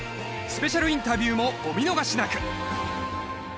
スペシャルインタビューもお見逃しなく！